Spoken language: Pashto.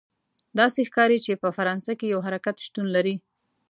داسې ښکاري چې په فرانسه کې یو حرکت شتون لري.